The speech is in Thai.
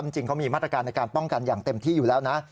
จริงเขามีมาตรการในการป้องกันอย่างเต็มที่อยู่แล้วนะ